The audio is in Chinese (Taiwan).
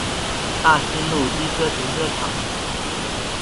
大新路機車停車場